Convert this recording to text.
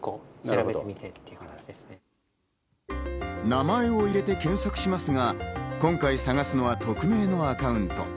名前を入れて検索しますが、今回探すのは匿名のアカウント。